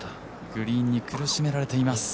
グリーンに苦しめられています。